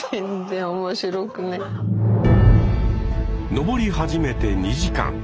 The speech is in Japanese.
登り始めて２時間。